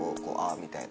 みたいな。